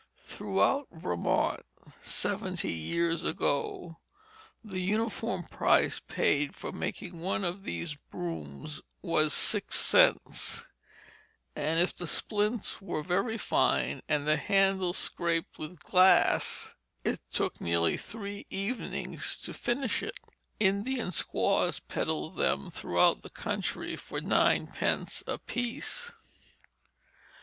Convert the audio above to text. Throughout Vermont seventy years ago the uniform price paid for making one of these brooms was six cents; and if the splints were very fine and the handle scraped with glass, it took nearly three evenings to finish it. Indian squaws peddled them throughout the country for ninepence apiece.